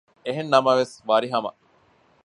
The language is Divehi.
އެހެންނަމަވެސް ވަރިހަމަ